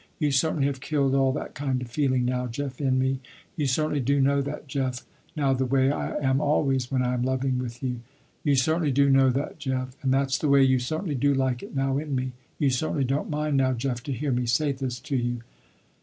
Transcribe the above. You certainly have killed all that kind of feeling now Jeff in me. You certainly do know that Jeff, now the way I am always, when I am loving with you. You certainly do know that Jeff, and that's the way you certainly do like it now in me. You certainly don't mind now Jeff, to hear me say this to you."